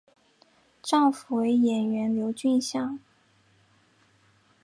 丈夫为演员刘俊相。